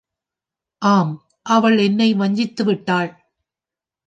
ஆம் அவள் என்னே வஞ்சித்து விட்டாள்.